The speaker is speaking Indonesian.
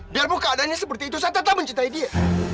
biar pun keadaannya seperti itu saya tetap mencintai dia